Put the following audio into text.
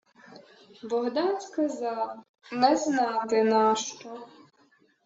Богдан сказав не знати нащо: